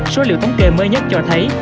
số liệu thống kê mới nhất cho thấy